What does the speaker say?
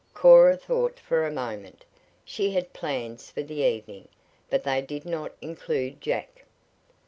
Cora thought for a moment. She had plans for the evening, but they did not include Jack.